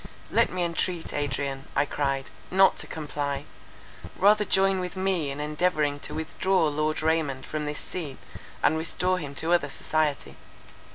"Let me entreat Adrian," I cried, "not to comply: rather join with me in endeavouring to withdraw Lord Raymond from this scene, and restore him to other society."